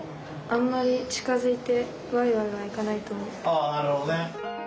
ああなるほどね。